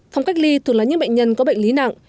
phong cách ly thuộc là những bệnh nhân có bệnh lý nặng